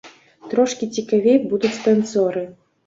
Трошкі цікавей будуць танцоры.